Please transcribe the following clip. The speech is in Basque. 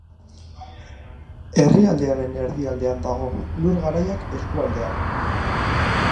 Herrialdearen erdialdean dago, Lur Garaiak eskualdean.